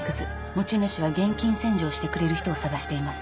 持ち主は現金洗浄してくれる人を探しています。